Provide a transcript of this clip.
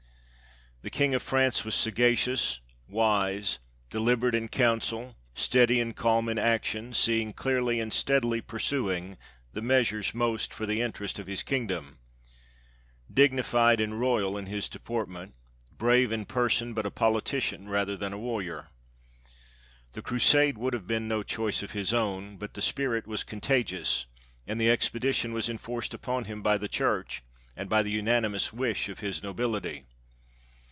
The King of France was saga cious, wise, deliberate in council, steady and calm in action, seeing clearly, and steadily pursuing, the meas ures most for the interest of his kingdom — dignified and royal in his deportment, brave in person, but a politician rather than a warrior. The Crusade would have been no choice of his own, but the spirit was con tagious, and the expedition was enforced upon him by the Church, and by the unanimous wish of his nobility.